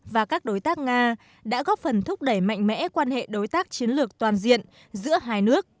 và các đối tác nga đã góp phần thúc đẩy mạnh mẽ quan hệ đối tác chiến lược toàn diện giữa hai nước